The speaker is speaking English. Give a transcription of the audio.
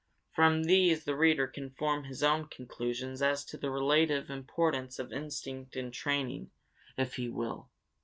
From these the reader can form his own conclusions as to the relative importance of instinct and training, if he will.